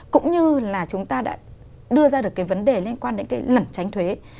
cũng như là chúng ta đã đưa ra được cái vấn đề liên quan đến cái lẩn tránh thuế